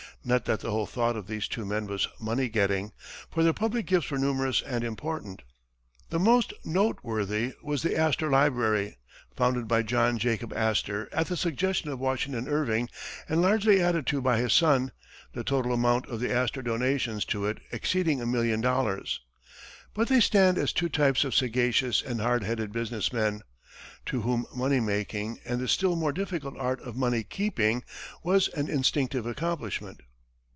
Not that the whole thought of these two men was money getting, for their public gifts were numerous and important. The most noteworthy was the Astor library, founded by John Jacob Astor at the suggestion of Washington Irving, and largely added to by his son, the total amount of the Astor donations to it exceeding a million dollars. But they stand as two types of sagacious and hard headed business men, to whom money making and the still more difficult art of money keeping was an instinctive accomplishment.